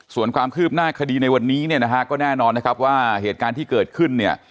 ส่วนความคืบหน้าคดีในวันนี้เนี่ยนะฮะก็แน่นอนนะครับว่าเหตุการณ์ที่เกิดขึ้นเนี่ย